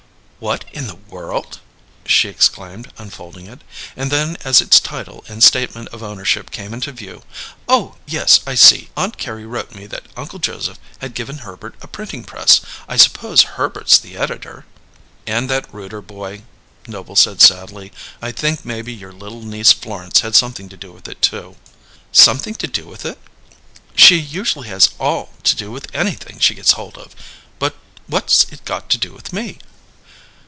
"What in the world!" she exclaimed, unfolding it; and then as its title and statement of ownership came into view, "Oh, yes! I see. Aunt Carrie wrote me that Uncle Joseph had given Herbert a printing press. I suppose Herbert's the editor?" "And that Rooter boy," Noble said sadly. "I think maybe your little niece Florence has something to do with it, too." "'Something' to do with it? She usually has all to do with anything she gets hold of! But what's it got to do with me?"